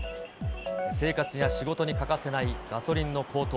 生活や仕事に欠かせないガソリンの高騰。